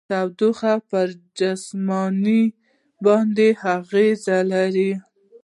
تودوخه پر جسمونو باندې اغیزې لري.